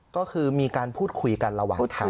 ก็คือมีการพูดคุยกันระหว่างทาง